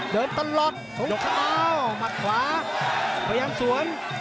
เดินตลอดช่วงเช้าหมัดขวาพยายามสวน